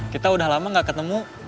kita udah lama gak ketemu